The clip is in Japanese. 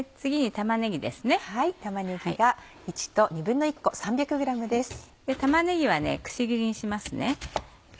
玉ねぎはくし切りにします。